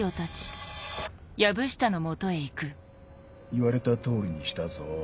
言われた通りにしたぞ。